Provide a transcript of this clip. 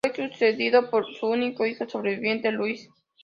Fue sucedido por su único hijo sobreviviente Luis.